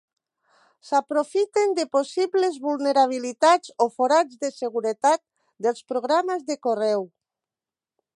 S'aprofiten de possibles vulnerabilitats o forats de seguretat dels programes de correu.